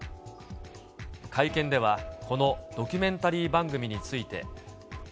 会見では、このドキュメンタリー番組について。